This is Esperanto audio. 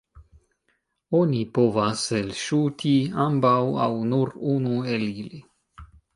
Oni povas elŝuti ambaŭ aŭ nur unu el ili.